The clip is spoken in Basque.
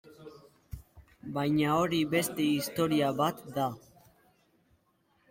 Baina hori beste historia bat da.